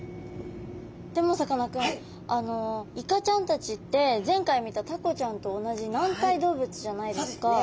でもさかなクンイカちゃんたちって前回見たタコちゃんと同じ軟体動物じゃないですか。